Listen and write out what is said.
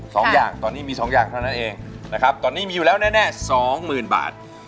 สองอย่างตอนนี้มีสองอย่างเท่านั้นเองนะครับตอนนี้มีอยู่แล้วแน่แน่สองหมื่นบาท